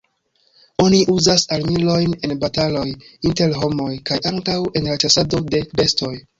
Oni uzas armilojn en bataloj inter homoj, kaj ankaŭ en la ĉasado de bestoj.